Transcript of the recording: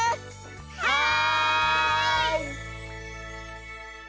はい！